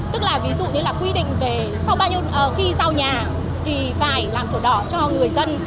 tức là ví dụ như là quy định về sau bao nhiêu khi giao nhà thì phải làm sổ đỏ cho người dân